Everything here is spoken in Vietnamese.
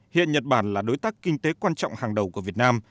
hiện nhật bản là đối tác kinh tế quan trọng hàng đầu của việt nam